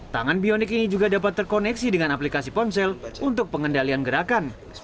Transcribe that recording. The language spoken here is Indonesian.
tangan bionik ini juga dapat terkoneksi dengan aplikasi ponsel untuk pengendalian gerakan